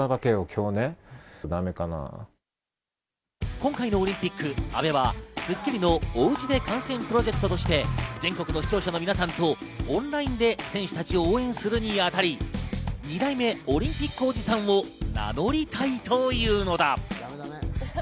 今回のオリンピック、阿部は『スッキリ』のおうちで観戦プロジェクトとして全国の視聴者の皆さんとオンラインで選手たちを応援するに当たり、２代目オリンピックおじさんを名乗りたいというのだ。